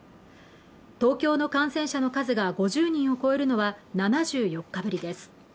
東京の感染者の数が５０人を超えるのは７４日ぶりです。